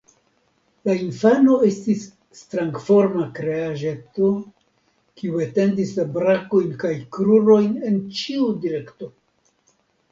La infano estis strangforma kreaĵeto, kiu etendis la brakojn kaj krurojn en ĉiu direkto.